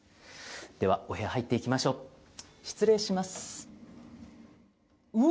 ではお部屋入っていきましょう失礼します。